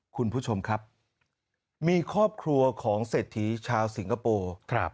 คุณผู้ชมครับมีครอบครัวของเศรษฐีชาวสิงคโปร์